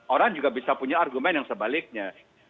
orang juga bisa punya argumen yang sebaliknya